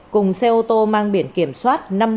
cùng xe ô tô mang biển kiểm soát